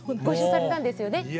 ご一緒されたんですよね。